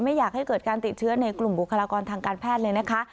ไม่อยากให้เกิดการติดเชื้อในกลุ่มบุคลากรทางการแพทย์เลยนะคะ